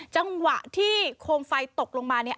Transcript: จังหวะที่โคมไฟตกลงมาเนี่ย